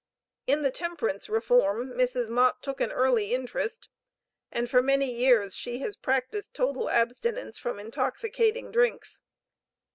In the Temperance reform Mrs. Mott took an early interest, and for many years she has practiced total abstinence from intoxicating drinks.